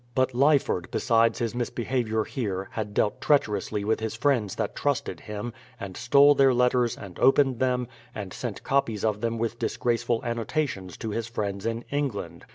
But Lyford, besides his misbehaviour here, had dealt treacherously with his friends that trusted him, and stole their letters, and opened them, and sent copies of them with disgraceful annotations to his friends in England.